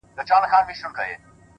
ښكلي دا ستا په يو نظر كي جــادو،